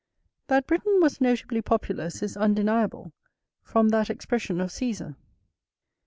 That Britain was notably populous is undeniable, from that expression of Cæsar.